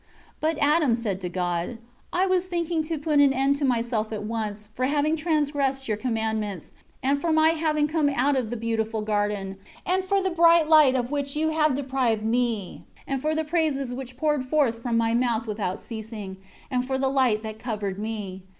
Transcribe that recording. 3 But Adam said to God, "I was thinking to put an end to myself at once, for having transgressed Your commandments, and for my having come out of the beautiful garden; and for the bright light of which You have deprived me; and for the praises which poured forth from my mouth without ceasing, and for the light that covered me.